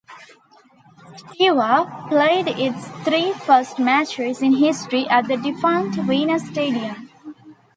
Steaua played its three first matches in history at the defunct "Venus" stadium.